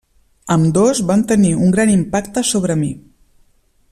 Ambdós van tenir un gran impacte sobre mi.